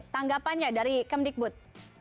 tanggapannya dari kemdikbud